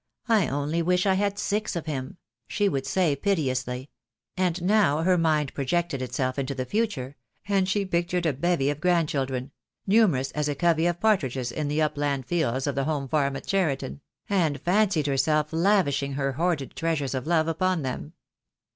I only wish I had six of him/5 she would say piteously; and now her mind projected itself into the future, and she pictured a bevy of grandchildren — numerous as a covey of partridges in the upland fields of the home farm at Cheriton — and fancied herself lavishing her hoarded treasures of love upon them.